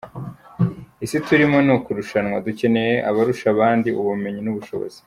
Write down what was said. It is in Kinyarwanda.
Isi turimo ni ukurushanwa, dukeneye abarusha abandi ubumenyi n’ubushobozi.